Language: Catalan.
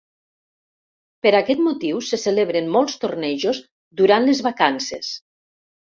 Per aquest motiu se celebren molts tornejos durant les vacances.